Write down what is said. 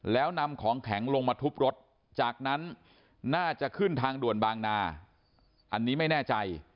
แล้วนำของแข็งลงมาทุบรถจากนั้นน่าจะขึ้นทางด่วนบางนาอันนี้ไม่แน่ใจ